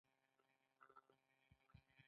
هغوی د سړک پر غاړه د آرام آرمان ننداره وکړه.